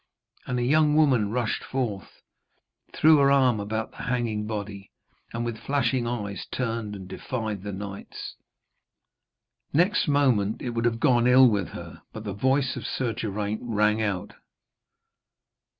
And a young woman rushed forth, threw her arm about the hanging body, and with flashing eyes turned and defied the knights. Next moment it would have gone ill with her, but the voice of Sir Geraint rang out.